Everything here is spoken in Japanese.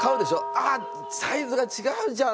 ああっサイズが違うじゃん。